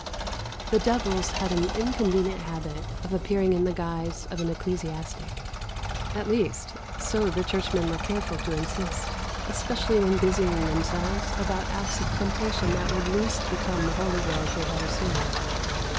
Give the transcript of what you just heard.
The devils had an inconvenient habit of appearing in the guise of an ecclesiastic at least, so the churchmen were careful to insist, especially when busying themselves about acts of temptation that would least become the holy robe they had assumed.